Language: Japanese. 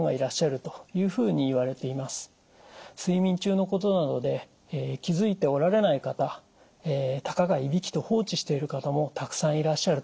睡眠中のことなので気付いておられない方たかがいびきと放置している方もたくさんいらっしゃると思います。